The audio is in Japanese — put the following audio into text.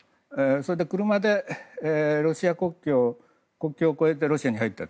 それで、車で国境を越えてロシアに入った。